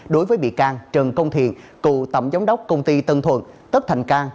đối với bị can trần công thiền cựu tẩm giám đốc công ty tân thuận tất thành can